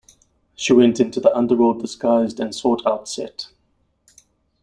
She went into the underworld disguised and sought out Set.